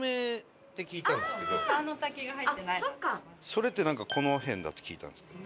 それってこの辺だって聞いたんですけど。